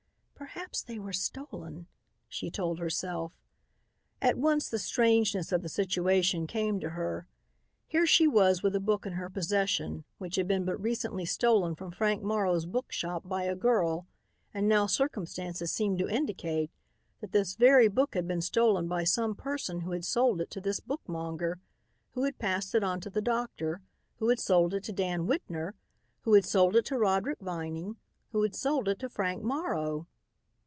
"Perhaps they were stolen," she told herself. At once the strangeness of the situation came to her; here she was with a book in her possession which had been but recently stolen from Frank Morrow's book shop by a girl and now circumstances seemed to indicate that this very book had been stolen by some person who had sold it to this bookmonger, who had passed it on to the doctor who had sold it to Dan Whitner, who had sold it to Roderick Vining, who had sold it to Frank Morrow.